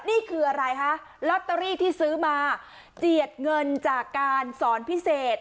นี่คืออะไรคะลอตเตอรี่ที่ซื้อมาเจียดเงินจากการสอนพิเศษ